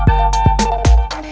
kau mau kemana